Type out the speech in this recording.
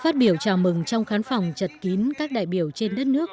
phát biểu chào mừng trong khán phòng chật kín các đại biểu trên đất nước